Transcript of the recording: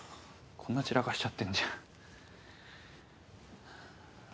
こんな散らかしちゃってんじゃん。